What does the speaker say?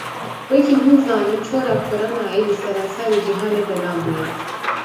Wekî hûn zanin çora Koronayê li serenserê cihanê belav bûye.